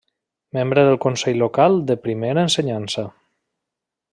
Membre del Consell Local de Primera Ensenyança.